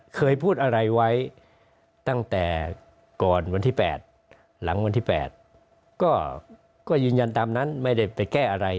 เคยพูดอะไรไว้ตั้งแต่ก่อนวันที่๘หลังวันที่๘ก็ยืนยันตามนั้นไม่ได้ไปแก้อะไร